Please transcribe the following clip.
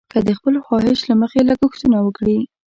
که د خپل خواهش له مخې لګښتونه وکړي.